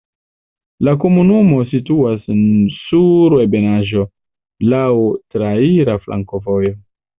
La komunumo situas sur ebenaĵo, laŭ traira flankovojo.